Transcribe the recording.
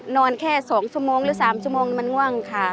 แค่๒ชั่วโมงหรือ๓ชั่วโมงมันง่วงค่ะ